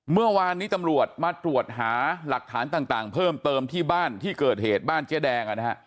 เมื่อวานนี้ตำรวจมาตรวจหาหลักฐานต่างเพิ่มเติมที่บ้านที่เกิดเหตุบ้านเจ๊แดง